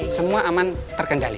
semua aman terkendali